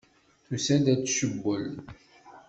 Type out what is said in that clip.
Tusa-d ad tcewwel.